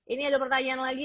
ini ada pertanyaan lagi